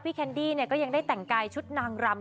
แคนดี้ก็ยังได้แต่งกายชุดนางรำ